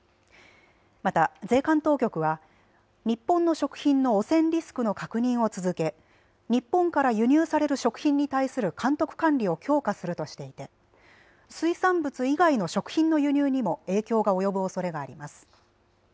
また、税関当局は日本の食品の汚染リスクの確認を続け日本から輸入される食品に対する監督管理を強化するとしていて水産物以外の食品の輸入にも影響が及ぶおそれがあります。